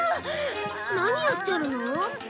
何やってるの？